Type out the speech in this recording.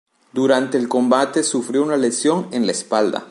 Durante el combate sufrió una lesión en la espalda.